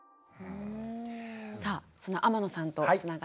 さあその天野さんとつながっています。